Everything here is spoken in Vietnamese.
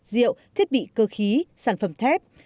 rượu thiết bị cơ khí sản phẩm thép